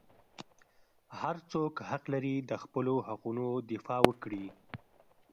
هر څوک حق لري د خپلو حقوقو دفاع وکړي.